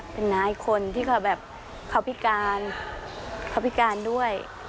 เป็นน้าอีกคนที่เขาเข้าพิการด้วย